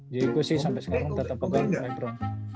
jadi gue sih sampai sekarang tetap pegang lebron